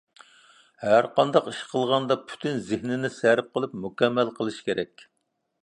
ھەر قانداق ئىش قىلغاندا پۈتۈن زېھنىنى سەرپ قىلىپ، مۇكەممەل قىلىش كېرەك.